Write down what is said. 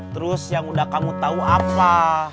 terus yang udah kamu tahu apa